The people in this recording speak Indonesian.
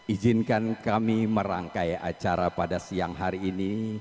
izinkan kami merangkai acara pada siang hari ini